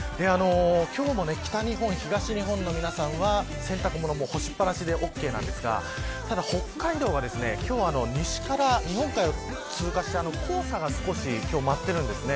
今日も北日本、東日本の皆さんは洗濯物干しっぱなしでオーケーですがただ北海道は、今日は西から日本海を通過して黄砂が少し舞っているんですね。